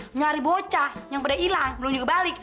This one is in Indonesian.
mencari bocah yang pada ilang belum juga balik